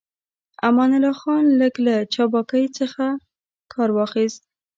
امان الله خان لږ له چابکۍ څخه کار واخيست.